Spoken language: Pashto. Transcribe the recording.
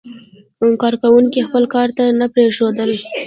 کارکوونکي خپل کار ته نه پرېښودل.